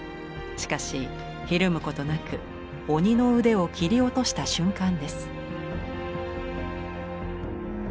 しかしひるむことなく鬼の腕を斬り落とした瞬間です。